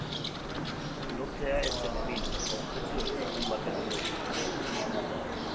Lotzea ez zen egin, objektu ezezagun baten ondorioz.